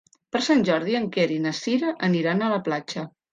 Per Sant Jordi en Quer i na Cira aniran a la platja.